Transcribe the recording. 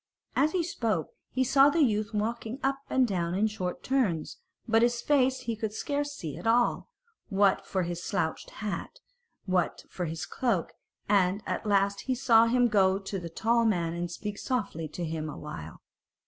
As he spoke he saw the youth walking up and down in short turns; but his face he could scarce see at all, what for his slouched hat, what for his cloak; and at last he saw him go up to the tall man and speak softly to him awhile.